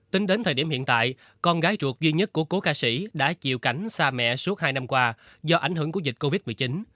tính đến thời điểm hiện tại con gái ruột duy nhất của cố ca sĩ đã chịu cảnh xa mẹ suốt hai năm qua do ảnh hưởng của dịch covid một mươi chín